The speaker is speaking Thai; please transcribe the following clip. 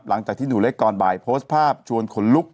หลังจากที่หนูเล็กก่อนบ่ายโพสต์ภาพชวนขนลุก